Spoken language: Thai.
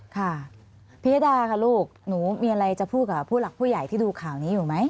ค่ะพิยดาค่ะลูกหนูมีอะไรจะพูดกับผู้หลักผู้ใหญ่ที่ดูข่าวนี้อยู่ไหม